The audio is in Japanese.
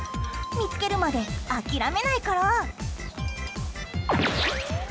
見つけるまで諦めないから。